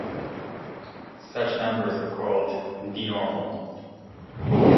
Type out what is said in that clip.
Such numbers are called denormal.